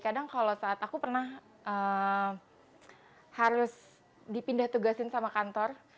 kadang kalau saat aku pernah harus dipindah tugasin sama kantor